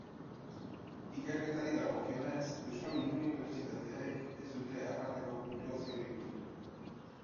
Ikerketari dagokionez, euskal unibertsitateek ez dute aparteko puntuaziorik lortu.